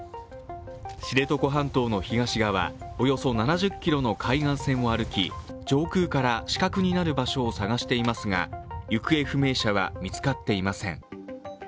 知床半島の東側、およそ７０ｋｍの海岸線を歩き上空から死角になる場所を捜していますが、行方不明者は見つかっていません。